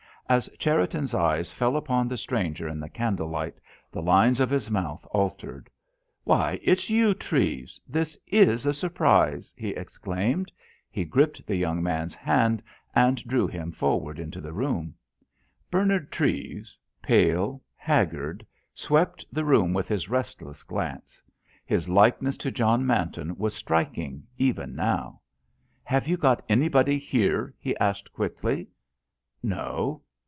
As Cherriton's eyes fell upon the stranger in the candle light the lines of his mouth altered. "Why, it's you, Treves—this is a surprise!" he exclaimed. He gripped the young man's hand and drew him forward into the room. Bernard Treves, pale, haggard, swept the room with his restless glance. His likeness to John Manton was striking even now. "Have you got anybody here?" he asked quickly. "No."